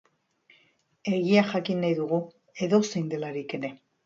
Egia jakin nahi dugu, edozein delarik ere.